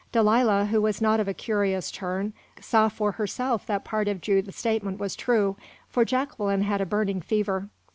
Delilah, who was not of a curious turn, saw for herself that part of Judith's statement was true, for Jacqueline had a burning fever.